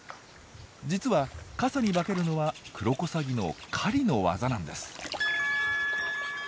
実は傘に化けるのはクロコサギの狩りの技なんです。